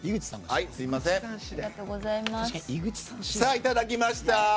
いただきました！